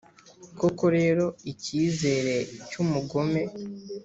Koko rero, icyizere cy’umugome